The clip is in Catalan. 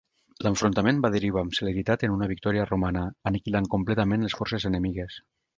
L'enfrontament va derivar amb celeritat en una victòria romana, aniquilant completament les forces enemigues.